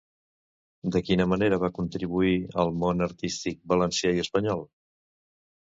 De quina manera va contribuir al món artístic valencià i espanyol?